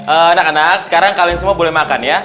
anak anak sekarang kalian semua boleh makan ya